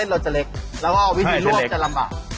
เส้นเราจะเล็กแล้วก็เอาวิธีล่วงจะลำบาก